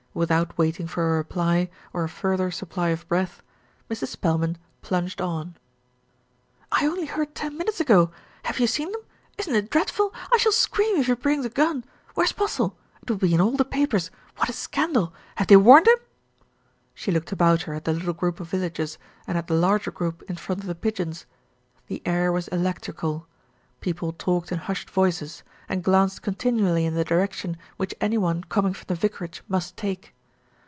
Without waiting for a reply, or a further supply of breath, Mrs. Spelman plunged on. 296 THE RETURN OF ALFRED "I only heard ten minutes ago! Have you seen them? Isn't it dreadful? I shall scream if he brings a gun! Where's Postle? It will be in all the papers! What a scandal! Have they warned him?" She looked about her at the little groups of villagers, and at the larger group in front of The Pigeons. The air was electrical. People talked in hushed voices, and glanced continually in the direction which any one com ing from the vicarage must take.